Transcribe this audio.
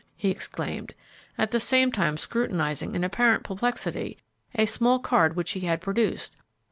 he exclaimed, at the same time scrutinizing in apparent perplexity a small card which he had produced.